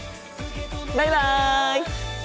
バイバイ！